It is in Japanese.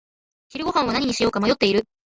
昼ごはんは何にしようか迷っている。